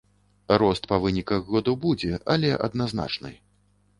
Рост па выніках году будзе, але адназначны.